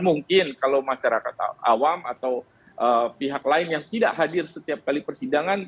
mungkin kalau masyarakat awam atau pihak lain yang tidak hadir setiap kali persidangan